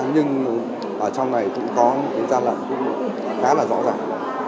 nhưng ở trong này cũng có cái gian lậm cũng khá là rõ ràng